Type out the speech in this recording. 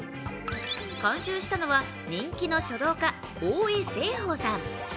監修したのは、人気の書道家大江静芳さん。